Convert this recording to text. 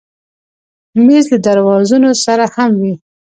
مېز له درازونو سره هم وي.